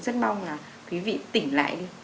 rất mong là quý vị tỉnh lại đi